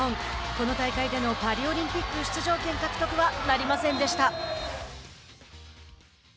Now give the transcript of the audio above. この大会でのパリオリンピック出場権獲得はなりませんでした。